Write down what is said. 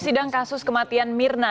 sidang kasus kematian mirna